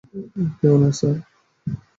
কেউ না, স্যার।